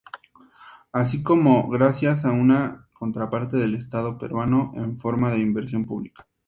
Así como gracias a una contraparte del Estado Peruano en forma de Inversión Pública.